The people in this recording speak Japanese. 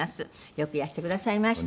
よくいらしてくださいました。